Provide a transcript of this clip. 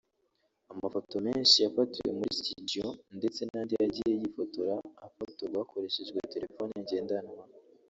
Amafoto menshi yafatiwe muri studio ndetse n’andi yagiye yifotora/afotorwa hakoreshejwe telefone ngendanwa